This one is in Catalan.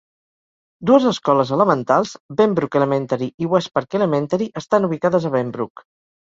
Dues escoles elementals, Benbrook Elementary i Westpark Elementary, estan ubicades a Benbrook.